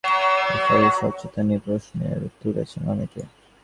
ন্যায্য ফলবঞ্চিত হওয়ায় রেফারিংয়ের স্বচ্ছতা নিয়েও প্রশ্ন তুলেছেন অনেকে।